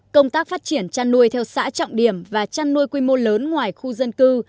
công tác phát triển chăn nuôi theo xã trọng điểm và chăn nuôi quy mô lớn ngoài khu dân cư